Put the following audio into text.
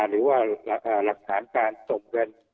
หรือว่าหลักฐานการส่งเงิน